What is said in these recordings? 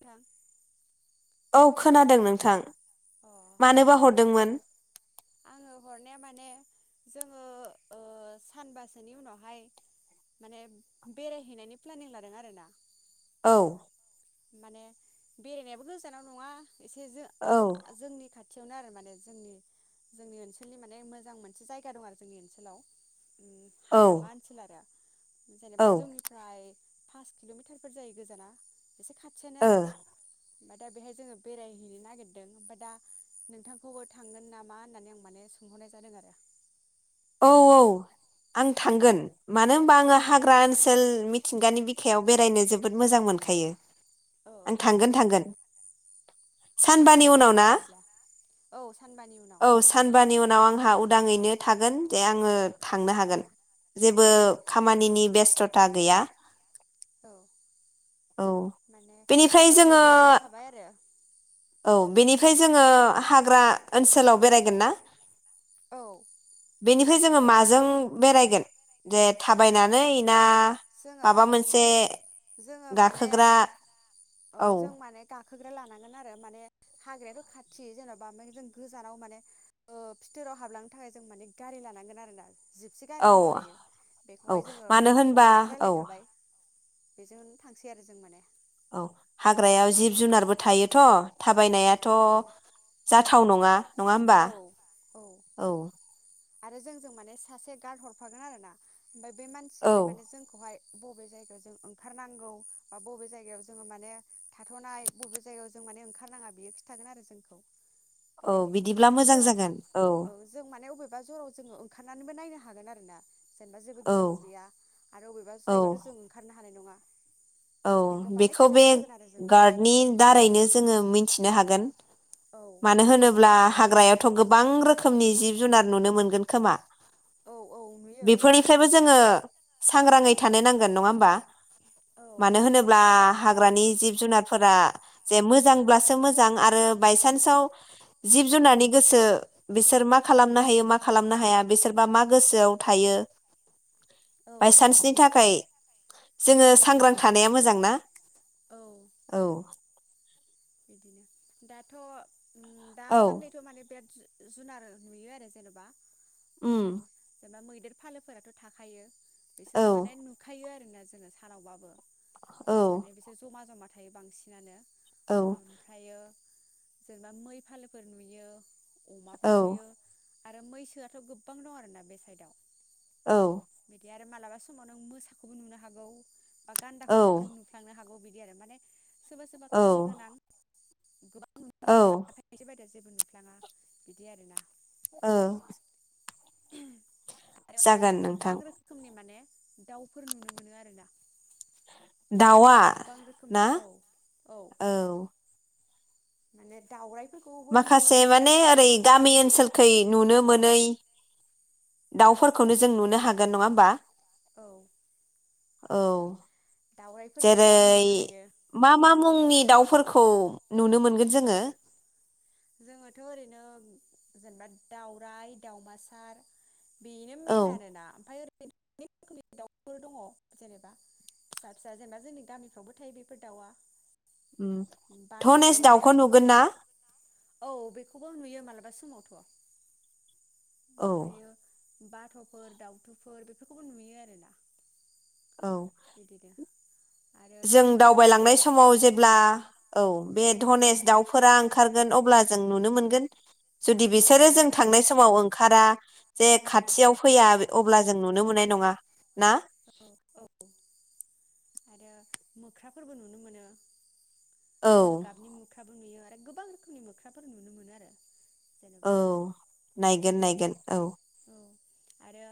थां औ खोनादों नोंथां अ मानोबा हरदोंमोन? आङो हरनाया माने जोङो ओ सानबासोनि उनावहाय माने बेरायहैनायनि प्लेनिं लादों आरोना औ माने बेरायनायाबो गोजानाव नङा एसे जो औ जोंनि खा थियावनो आरो माने जोंनि जोंनि ओनसोलनि माने मोजां मोनसे जायगा दं आरो जोंनि ओनसोलाव औ हाग्रामा ओनसोल आरो जेनेबा ओ जोंनिफ्राय पास किल'मिटारफोर जायो गोजाना एसे खाथियानो आरो ओमफ्राय दा बेहाय जोङो बेरायहैनो नागिरदों ओमफ्राय दा नोंथांखौबो थांगोन नामा होननानै आं माने सोंहरनाय जादों आरो औ औ आं थांगोन मानो होनबा आङो हाग्रा ओनसोल मिथिंगानि बिखायाव बेरायनो जोबोद मोजां मोनखायो। औ आं थांगोन थांगोन सानबानि फैजागोन उनाव दे ना बिदिब्ला औ सानबानि उनाव औ सानबानि उनाव आंहा उदाङैनो थागोन दे आङो थांनो हागोन जेबो औ खामानिनि बेस थ'था गैया। औ औ माने जोङो लोगो लालायखाबाय आरो खाय जोङो हाग्रा ओनसोलाव बेरायगोन ना औ बेनिफ्राय जोङो माजों बेरायगोन दे थाबायनानै ना जोङो माबा मोनसे जोङो माने गाखोग्रा औ जों माने गा गाखोग्रा लानांगोन आरो माने हाग्रायाथ' खाथि जेन'बा ओ जों गोजानाव माने फिथोराव हाबलांनो थाखाय जों माने गारि लानांगोन आरोना जिपसे गारि औ दंखायो औ बेखौहाय जोङो मानो होनबा गंसे औ रायलायखाबाय बेजोंनो थांसै आरो जों माने औ हाग्रायाव जिब जुनारबो थायोथ' थाबायनायाथ' औ जाथाव नङा नङा होमबा औ औ आरो जोंजों माने सासे गार्ड हरफागोन आरो ना ओमफ्राय बे औ मानसियाहाय माने जोंखौहाय बबे जायगायाव जों ओंखारनांगौ बा बबे जायगायाव जोङो माने थाथ'नाय बबे जायगायाव जों माने ओंखारनाङा बेयो खिन्थागोन आरो जोंखौ औ बेबायदि बिदिब्ला मोजां जागोन औ बबेबा जराव जोङो ओंखारनानैबो नायनो हागोन आरो ना जेनेबा जेबो औ गिनांगौ गैया आरो बबेबा औ जायगायावथ' जों ओंखारनो हानाय नङा औ माने बेखौ बे खिन्थाना होगोन आरो जोंनो गार्डनि दारैनो जोङो मिथि नो हागोन औ मानो होनोब्ला हाग्रायावथ' गोबां रोखोमनि जिब जुनार नुनो मोनगोन खोमा औ औ नुयो ओं बेफोरनिफ्रायबो जोङो सांग्राङै थानो नांगोन नङा होमबा औ मानो होनोब्ला हाग्रानि जिब-जुनारफोरा जे मोजांब्लासो मोजां आरो बाय सान्सआव जिब जुनारनि गोसो बिसोर मा खालामनो हायो मा खालामनो हाया बिसोरबा मा गोसोआव थायो औ बायसान्सनि थाखाय जोङो सांग्रां थानाया मोजां ना औ बिदिनो दाथ' उम औ दासानदैथ' माने बेराद जुनार नुयो आरो जेनेबा उम जेनबा मैदेर फालोफोराथ' थाखायो औ बिसोरखौ माने नुखायो आरो ना जोङो सानावबाबो औ माने बिसोर जमा जमा थायो बांसिनानो औ ओमफ्रायो जेनेबा मै फालोफोर नुयो अमाफोर नुयो आरो मैसोआथ' गोबां दं आरोना बे साइदआव औ आरो मालाबा समाव नों मोसाखौबो नुनो हागौ बा औ गानदाखौ नुफ्लांनो हागौ बि दि आरो माने सोरबा सोरबा औ खाफाल गोनां गोबां औ दा जेबो नुफ्लाङा बिदि आरोना औ [unintelligible] आरो नोंथां गोबां रोखोमनि माने दाउफोर नुनो मोनो आरोना दाउआ गोबां रोखोमनि ना औ औ माने दाउराय माखासे माने ओरै गामि ओनसोल खै नुनो मोनै दाउफोरखौनो जों नुनो हागोन नङा होमबा? औ औ दाउराइफोर गोबां जेरै नुनो हायो मा मा मुंनि दाउफोरखौ नुनो मोनगोन जोङो? जोङोथ' ओरैनो जेनेबा दाउराइ दाउमासार बेनो औ मेन आरो ना ओमफ्राय [unintelligible] रोखोमनि दाउफोर दङ जेनेबा फिसा फिसा जेनेबा जोंनि गामिफ्रावबो थायो बेफोर दाउआ धनेस बाथ'फोर दाउखौ नुगोन ना? दाउथुफोर औ बेखौबो नुयो मालाबा समावथ' औ ओमफ्रायो बाथ'फोर दाउथुफोर बेफोरखौबो नुयो आरोना औ बिदिनो आरो जों दैबो दं दावबायलांनाय नालाय समाव जेब्ला औ बे धनेस दाउ फोर ओंखारगोन अब्ला जों नुनो मोनगोन। जुदि औ बिसोरो जों थांनाय समाव ओं ओखारा जे खाथियाव फैया अब्ला जों नुनो मोननाय नङा ना? औ औ आरो मोख्राफोरबो नुनो मोनो। गोमो औ गाबनि मो ख्राबो नुयो आरो गोबां रोखोमनि मोख्राफोर नुनो मोनो आरो। जेनेबा औ नाय [unintelligible] नायगोन औ औ आरो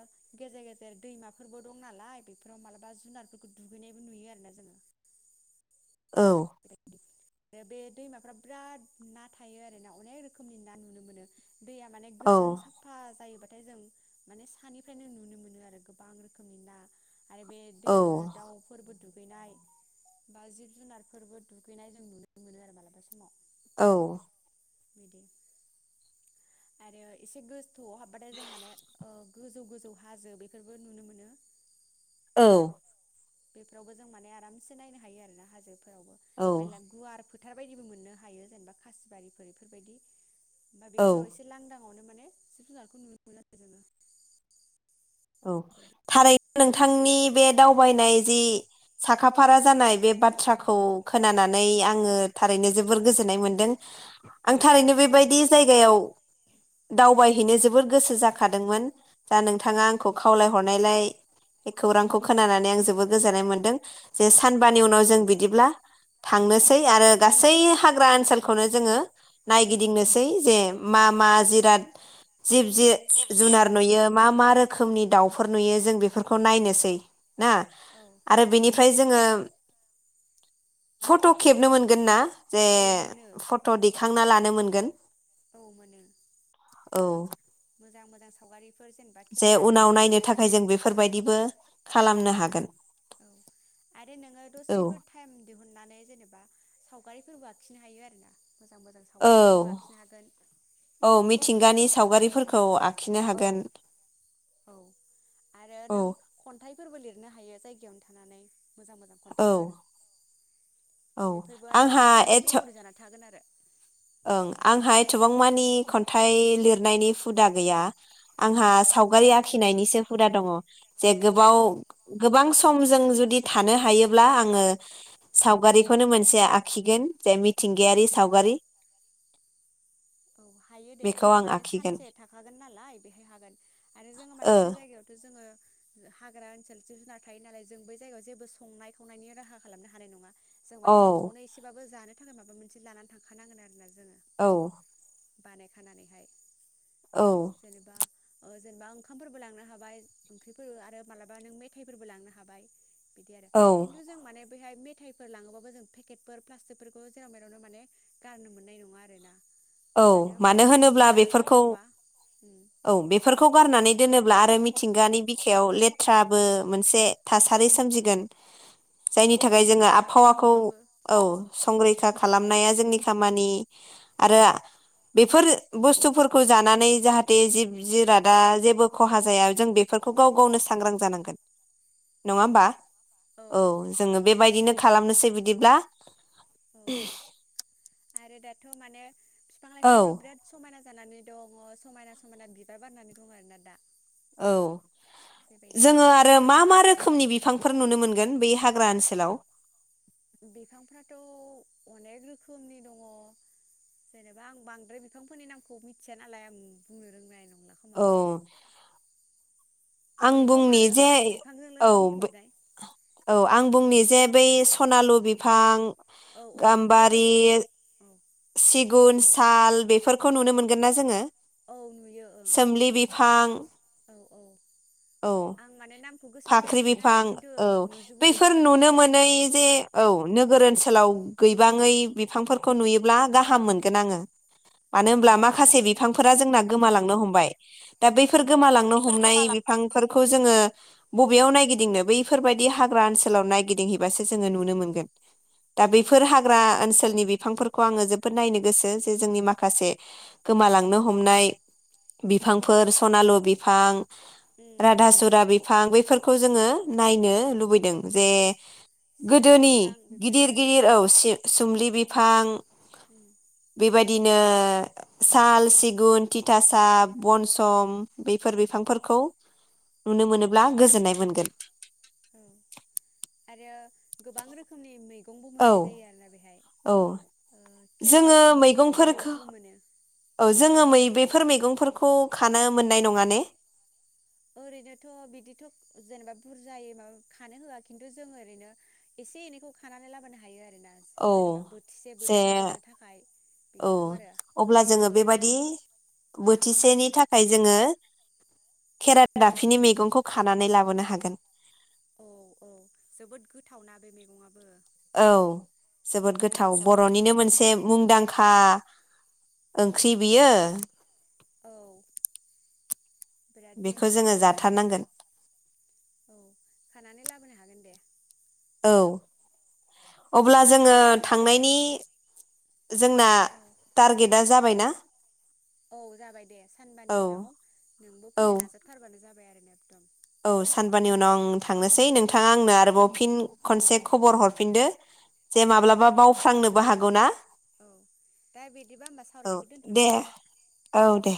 गेजेर गेजेर दैमाफोरबो दं नालाय बेफोराव मालाबा जुनारफोरखौ दुगैनायबो नुयो आरोना जोङो औ आरो बे दैमाफ्रा बिराद ना थायो आरो ना अनेक रोखोमनि ना नुनो मोनो दैया माने औ गोजों साफा जायोबा नाथाय जों माने सानिफ्रायनो नुनो मोनो आरो गोबां रोखोमनि ना आरो बे दैयावनो दाउफोरबो दुगैनाय बा जिब जुनार फोरबो दुगैनाय जों नुनो मोनो आरो मालाबा समाव औ [unintelligible] आरो एसे गोज थौआव हाबबाथाय जों माने गोजौ गोजौ हाजो बेफोरबो नुनो मोनो औ बेफोरावबो जों माने आरामसे नायनो हायो आरो ना हाजो [unintelligible] गुवार फोथारबायदिबो मोननो हायो जेनेबा खासिबारिफोर बेफोरबायदि बा औ बेफोराव एसे लांदां फावनो माने सिब जुनारखौ नुनो मोन जोङो औ बेफोरबायदि थारै नोंथांनि बे दावबायनाय जि साखाफारा जानाय बे नोंथां नोंथांनि बे दावबायनाय जि साखाफारा जानाय बे बाथ्राखौ खोनानानै आङो थारैनो जोबोर गोजोननाय मोनदों आं थारैनो बेबायदि जायगायाव दावबायहैनो जोबोर गोसो जाखादोंमोन दा औ नोंथाङा खौ खावलायहरनायलाय बे खौरांखौ खोनानानै आं आंखौ खावलाय हरनायलाय खौरांखौ खोनानै आं जोबोद गोजोननाय मोन्दों जे सानबानि उनाव जों बिदिब्ला थांनोसै आरो गासै हाग्रा ओनसोलखौनो जोङो नायगिदिंनोसै जे मा मा जिराद जिब जो जुनार नुयो मा मा रोखोमनि रोखोमनि दाउफोर नुयो जों बेफोरखौ नायनोसै ना औ आरो औ बिनिफ्राय जोङो फट' खेबनो मोनगोन ना? जे औ मोनो फट' दैखांना लानो मोनगोन मोनगोन औ मोनो मोजां मोजां सावगारिफोर जेनेबा जे खेबना लानो उनाव हागोन नायनो थाखाय जों बेफोरबायदिबो खालामनो हागोन औ आरो नोङो औ दसेफोर टाइम दिहुन माने जेनेबा सावगारिफोरबो आखिनो हायो आरो ना औ औ बिदिनो मिथिंगानि सावगारिफोरखौ आखि औ औ आरो औ नों खन्थाइफोरबो लिरनो हायो जाय जायगायावनो थानानै मोजां मोजां औ खन्थाइफोर औ बेफोरबो आरो आंहा मोनफा मोनफा एथ' मेम'रि जानानानै थागोन आरो ओं आंहाय थबांमानि खन्थाइ लिरनायनि हुदा गैया आंहा औ सावगारि आखि नायनिसो हुदा दङ जे औ गोबाव गोबां सम समजों जुदि थानो हायोब्ला आङो सावगारिखौनो मोनसे आखिगोन जे औ मिथिंगायारि सावगारि औ हायो दे बेखौ जों आं माने आखिगोन सानसे थाखागोन नालाय बेहाय हागोन आरो जोङो माने ओ बै जायगायावथ' जोङो हाग्रा ओनसोल जिब जुनार थायो नालाय जों बै जायगायाव जेबो संनाय खावनायनि राहा खालामनो हानाय नङा जों माने औ न'आवनो एसेबाबो जानो नि थाखाय माबा मोनसे लानानै थांखानांगोन आरोना जोङो औ बानायखानानैहाय औ जेनेबा ओ जेनेबा ओंखामफोरबो लांनो हाबाय ओंख्रिफोर आरो मालाबा नों मेथाइफोरबो लांनो हाबाय बिदि आरो औ खिन्थु जों माने बेहाय मेथाइफोर लाङोबाबो जों पेकेटफोर प्लास्टिकफोरखौ जेराव मेरावनो माने गारनो मोननाय नङा आरोना औ होनबा मानो बेफोरखौ होनोब्ला जुनारा बेफोरखौ जाफ्लांबा उम औ बेफोरखौ गारनानै दोनोब्ला अब्ला आरो मिथिंगानि बिखायाव लेथ्राबो मोनसे थासारि सोमजिगोन जायनि औ थाखाय जोङो आरो आबहावाखौ जाफ्राङोबाबो औ संरैखा खालामनाया जोंनि खामानि आरो बेफोर बुस्थुफोरखौ जानानै जाहाथे जिब जिरादा जेबो खहा जाया जों बेफोरखौ गाव गावनो सांग्रां जानांगोन नङा औ होमबा औ जोङो बेबायदिनो खालामनोसै बिदिब्ला दे दाथ' माने बिफां औ लाइफांफा बिराद समायना जानानै दङ समायना समायना बिबार बारनानै दं आरोना दा औ बेबायदि जोङो आरो मा मा रोखोमनि बिफांफोर नुनो मोनगोन बै हाग्रा ओनसोलाव? बिफांफ्राथ' अनेक रोखोमनि दङ जेनेबा आं बांद्राय बिफांफोरनि नामखौ मिथिया नालाय आं बुंनो रोंनाय नं औ आं जायखिया दं बुंनि आरो जे बिफांजोंनो औ बुंफबनाय औ आं बुंनि जे बै सनालु बिफां औ औ बेफोरबो दङ गाम्बारि ओं सिगुन साल बेफोरखौ नुनो मोनगोन ना जोंङो औ नुयो ओं औ - औ औ आं माने नामखौ गोसोआव फाख्रि फैयाखैमोन आरो बिफां खिन्थु औ ओं नुजोबो बैफोर बेफोरखौ नुनो गासैखौबो मोनै जे औ नोगोर ओनसोल ओनसोलाव गैबांङै बिफांफोरखौ नुयोब्ला गाहाम मोनगोन आंङो मानो औ होनोमब्ला माखासे बिफां फोर जोंना गोमालांनो हमबाय दा औ बैफोर गोमालांनो हमनाय बि बेफोरखौ जोंङो बबेयाव नायगिदिंनो बैफोरबायाददि हाग्रा ओनसोलाव नायगिदिं हैबासो ओनसोलाव जोंङो नुनो मोनगोन दा औ बैफोर हाग्रा ओनसोलनि बिफांफोरखौ आंङो जोबोद नायनो गोसो जे जोंनि माखासे गोमालांन हमनाय बिफांफोर सनालु बिफां उम राधा सुरा बि बिफां बेफोरखौ जोंङो नायनो लुबैदों जे औ सिमला गोदोनि बिफां बेफोरो गिदिर - आरोना गिदिर औ सो सुमलि बिफां उम बेबायदि बिदिनो साल सिगुन थिथासा बनसम बेफोर बिफांफोरखौ नुनो मोनोब्ला गोजोननाय मोनगोन औ आरो गोबां रोखोमनि मैगं औ - औ ओ जोंङो खेरादाफिनि बे मैगंबफोरखौ मैगंखौबो मोनो औ बेफोर बेफोर मैगंफोरखौ खानो मोननाय नङा ने ओरैनोथ' बिदिथ' जेनेबा बुरजायै माबा खानो होता खिन्थु जों ओरैनो एसे एनैखौ खानानै लाबोनो हायो आरो औ जे थाखाय औ बिदिखौ आरो अब्ला जोंङो जेबो नङा बेबादि बोथिसेनि थाखाय [unintelligible] जोंङो खेरा औ दाफिनि मैगंखौ खानानै लाबोनो हा हागोन औ - औ जोबोद गोथावनाा बे मैगंआबो औ जोबोद गोथाव बर'निनो मोनसे मुंदांखा ओंख्रि बियो औ बिराद बेखौ मोजां जोङो मैगं बेयो जाथारनांगोन औ खानानै लाबोनो हागोन दे औ अब्ला जोंङो जों थांनायनि जोंना औ टारगेटा जाबायना औ जाबाय दे औ सानबानि उनाव नोंबो औ फैनो नाजाथारबानो जाबाय आरो ना एकदम औ सानबानि उनाव आं थांनोसै नोंथांङा औ आंनो आरोबाव फिन खनसे खबर हरफिनदो जे औ माब्लाबा बावफ्लांनोबो हागौ ना औ दा बिदिबा होमबा औ सावरायनायखौ दे दोन्थ'नोसै ने औ दे